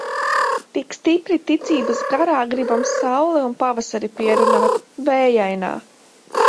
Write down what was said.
Tik stipri ticības garā Gribam sauli un pavasari pierunāt. Vējainā!